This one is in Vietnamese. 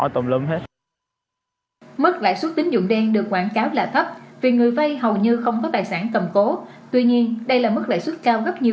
so với lãi suất tín dụng đen được quảng cáo là thấp vì người vây hầu như không có tài sản cầm cố